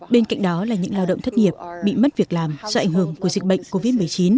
bên cạnh đó là những lao động thất nghiệp bị mất việc làm do ảnh hưởng của dịch bệnh covid một mươi chín